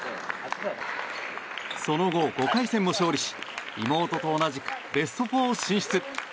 その後、５回戦も勝利し妹と同じくベスト４進出。